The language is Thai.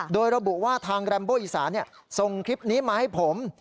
โดยระบุว่าทางแรมโบอีสานส่งคลิปนี้มาให้ผม